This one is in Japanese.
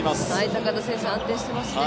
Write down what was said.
高田選手、安定してますね。